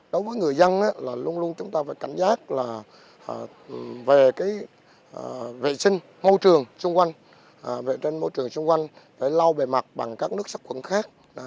đối với người dân là luôn luôn chúng ta phải cảnh giác là về cái vệ sinh môi trường xung quanh vệ sinh môi trường xung quanh phải lau bề mặt bằng các nước sát khuẩn khác